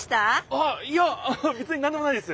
あっいやべつになんでもないです。